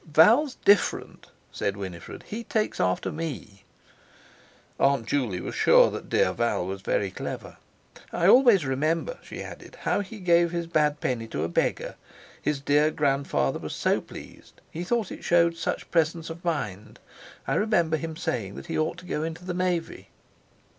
"Val's different," said Winifred; "he takes after me." Aunt Juley was sure that dear Val was very clever. "I always remember," she added, "how he gave his bad penny to a beggar. His dear grandfather was so pleased. He thought it showed such presence of mind. I remember his saying that he ought to go into the Navy."